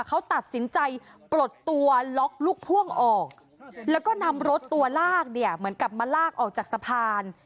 เขาตัดสินใจปลดตัวล็อกลูกพ่วงออกแล้วก็นำรถตัวลากเนี่ยเหมือนกับมาลากออกจากสะพาน